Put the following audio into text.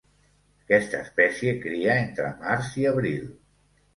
Aquesta espècie cria entre març i abril.